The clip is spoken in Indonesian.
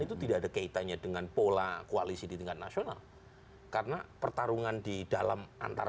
itu tidak ada kaitannya dengan pola koalisi di tingkat nasional karena pertarungan di dalam antara